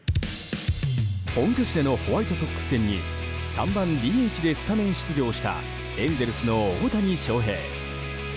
本拠地でのホワイトソックス戦に３番ＤＨでスタメン出場したエンゼルスの大谷翔平。